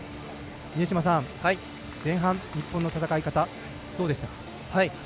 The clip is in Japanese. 峰島さん、前半、日本の戦い方どうでした？